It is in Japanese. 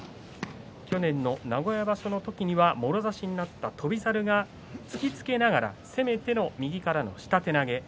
去年の名古屋場所の時にはもろ差しになった翔猿が突きつけながら攻めての右からの下手投げ